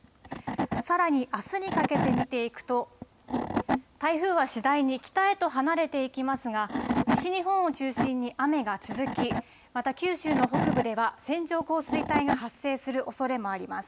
さらにあすにかけて見ていくと、台風は次第に北へと離れていきますが、西日本を中心に雨が続き、また九州の北部では、線状降水帯が発生するおそれもあります。